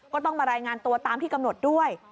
ก็ต้องมารายงานตัวตามที่กำหนดด้วย